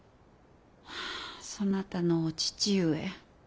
そなたのお父上。